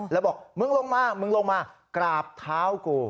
แล้วบอกมึงลงมามึงลงมากราบเท้ากู